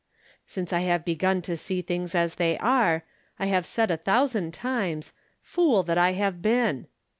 Since I have began to see things as they are, I have said a thousand times, " Fool that I have been